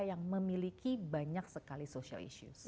yang memiliki banyak sekali social issues